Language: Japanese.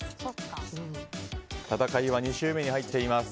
戦いは２周目に入っています。